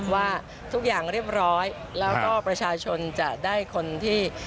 ว่าทุกอย่างเรียบร้อยแล้วก็ประชาชนจะได้คนที่